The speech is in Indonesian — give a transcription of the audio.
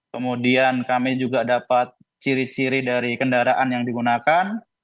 kemudian kami juga dapat ciri ciri dari kendaraan yang digunakan